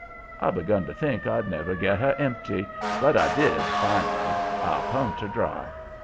I begun to think I'd never get her empty, but I did, finally. I pumped her dry.